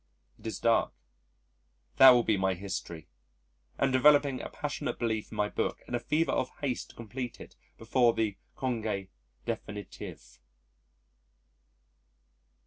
It is dark. That will be my history. Am developing a passionate belief in my book and a fever of haste to complete it before the congé définitif.